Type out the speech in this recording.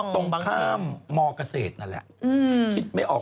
ตรงข้ามมเกษตรนั่นแหละคิดไม่ออก